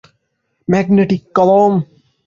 Magnetic কলম।